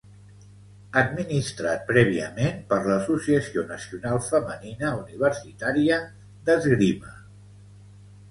Administrat prèviament per l'Associació Nacional Femenina Universitària d'Esgrima.